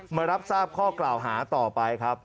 มารับทราบข้อกล่าวหาต่อไปครับ